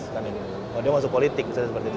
kalau dia masuk politik misalnya seperti itu